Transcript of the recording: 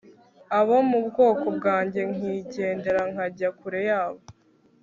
abo mu bwoko bwanjye nkigendera nkajya kure yabo